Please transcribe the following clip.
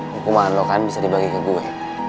hukuman loh kan bisa dibagi ke gue